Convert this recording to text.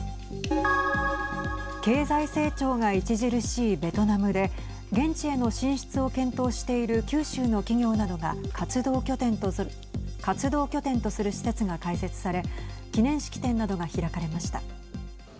経済成長が著しいベトナムで現地への進出を検討している九州の企業などが活動拠点とする施設が開設され記念式典などが開かれました。